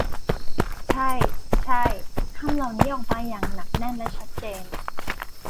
ใช่ ใช่ คำเหล่านี้ออกมาอย่างหนักแน่นและชัดเจน